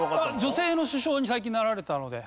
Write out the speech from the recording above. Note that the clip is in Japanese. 女性の首相に最近なられたので。